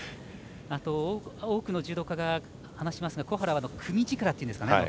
多くの柔道家が話しますが小原は組み力というんですか。